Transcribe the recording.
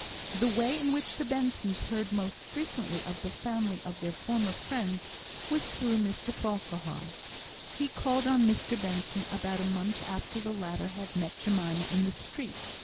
The way in which the Bensons heard most frequently of the family of their former friends, was through Mr Farquhar. He called on Mr Benson about a month after the latter had met Jemima in the street.